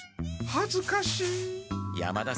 はずかしい。